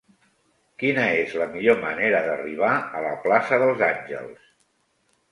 Quina és la millor manera d'arribar a la plaça dels Àngels?